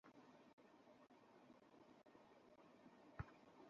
হে খোদা, ভালোই বিনোদন পাচ্ছি।